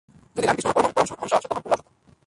যদি রামকৃষ্ণ পরমহংস সত্য হন, তোমরাও সত্য।